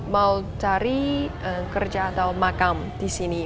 mau cari kerja atau makam di sini